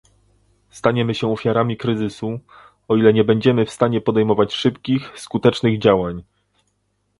Staniemy się ofiarami kryzysu, o ile nie będziemy w stanie podejmować szybkich, skutecznych działań